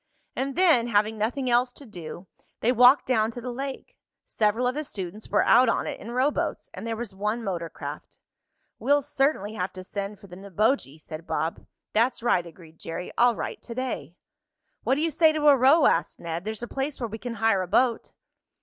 And then, having nothing else to do, they walked down to the lake. Several of the students were out on it in rowboats, and there was one motor craft. "We'll certainly have to send for the Neboje," said Bob. "That's right," agreed Jerry. "I'll write to day." "What do you say to a row," asked Ned. "There's a place where we can hire a boat."